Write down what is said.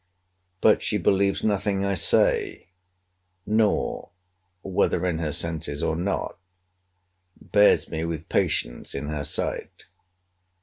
But she believes nothing I say; nor, (whether in her senses, or not) bears me with patience in her sight.